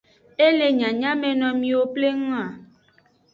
E le nyanyameno miwo pleng a.